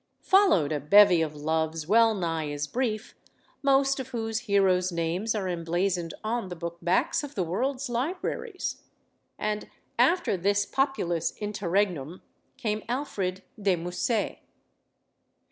Followed a bevy of loves well nigh as brief, most of whose heroes* names are emblazoned on the book backs of the world's libraries. And after this populous interregnum, came Alfred de Musset.